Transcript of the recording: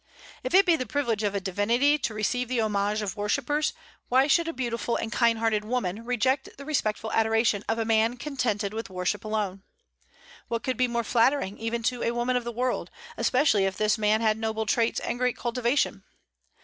If it be the privilege of a divinity to receive the homage of worshippers, why should a beautiful and kind hearted woman reject the respectful adoration of a man contented with worship alone? What could be more flattering even to a woman of the world, especially if this man had noble traits and great cultivation?